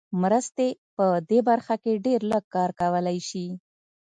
مرستې په دې برخه کې ډېر لږ کار کولای شي.